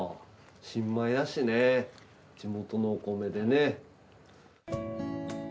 新米だしね地元のお米でね。